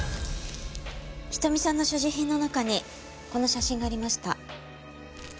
瞳さんの所持品の中にこの写真がありました。